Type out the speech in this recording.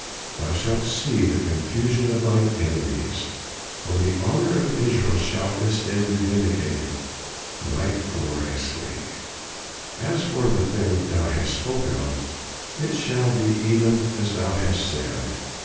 Thou shalt see the confusion of thine enemies; for the honor of Israel shall this day be vindicated right gloriously. As for the thing that thou hast spoken of, it shall be even as thou hast said.